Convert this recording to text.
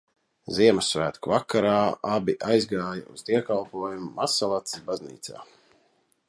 Ziemassvētku vakarā abi aizgāja uz dievkalpojumu Mazsalacas baznīcā.